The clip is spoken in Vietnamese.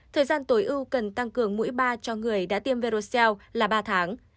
thời gian tối ưu cần tăng cường mũi ba cho người đã tiêm verocell là ba tháng